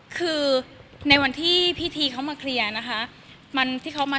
คือในวันที่พี่ทีเขามาเคลียร์นะคะ